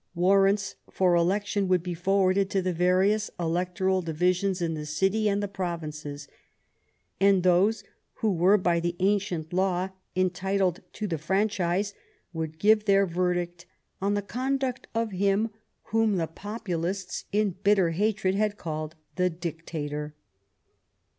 Warrants for election would be forwarded to the various electoral divisions in the city and the provinces, and those who were by the ancient law entitled to the franchise would give their verdict on the conduct of him whom the Populists in bitter hatred had called the Dictator.